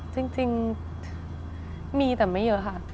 จริงมีแต่ไม่เยอะค่ะ